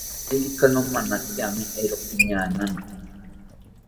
Aririka nomanakiami, eero piñaanami